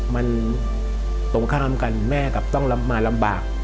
มันตรงข้ามกันแม่กลับต้องมาลำบาก